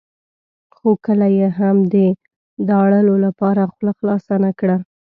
خو کله یې هم د داړلو لپاره خوله خلاصه نه کړه.